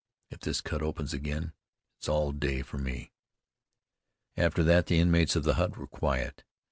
If this cut opens again, it's all day for me." After that the inmates of the hut were quiet.